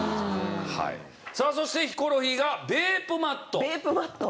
さあそしてヒコロヒーがベープマット。